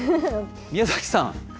宮崎さん。